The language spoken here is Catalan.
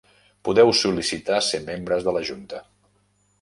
Podeu sol·licitar ser membres de la Junta.